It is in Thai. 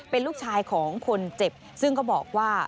เป็นลูกชายของคนเจ็บซึ่งก็บอกว่า